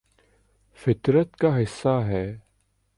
فطرت کا حصہ ہے